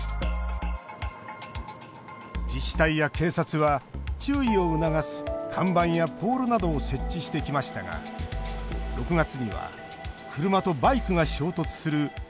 自治体や警察は注意を促す看板やポールなどを設置してきましたが６月には車とバイクが衝突する死亡事故が発生しました。